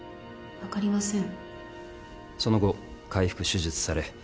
分かりません。